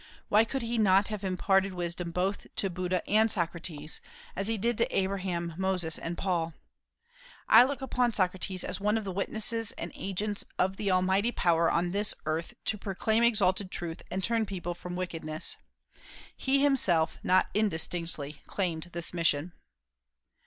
Why could he not have imparted wisdom both to Buddha and Socrates, as he did to Abraham, Moses, and Paul? I look upon Socrates as one of the witnesses and agents of Almighty power on this earth to proclaim exalted truth and turn people from wickedness. He himself not indistinctly claimed this mission.